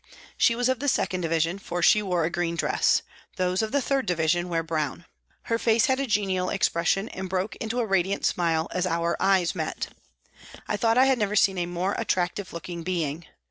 She was of the 2nd Division, for she wore a green dress ; those of the 3rd Division wear brown. Her face had a genial expression and broke into a radiant smile as our eyes met. I thought I had never seen a more attractive looking being.